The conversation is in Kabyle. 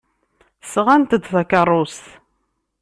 Sɣant-d takeṛṛust.